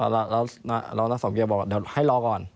แล้วนักศัพท์เกียรติบอกว่าให้รอก่อน